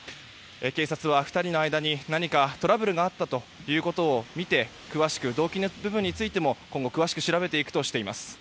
警察は２人の間に何かトラブルがあったとみて動機の部分についても今後詳しく調べていくとしています。